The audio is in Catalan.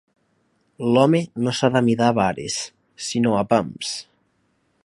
L'home no s'ha d'amidar a vares, sinó a pams.